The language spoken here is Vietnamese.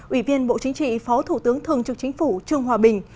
ủy viên bộ chính trị phó thủ tướng thường trực chính phủ trương hòa bình